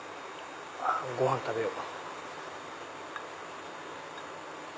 ご飯食べよう。